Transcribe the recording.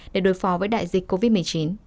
để đối phó với đại dịch covid một mươi chín